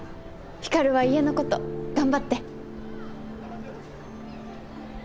ひかるは家のこと頑張って。